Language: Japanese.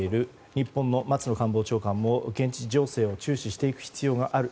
日本の松野官房長官も現地情勢を注視していく必要がある。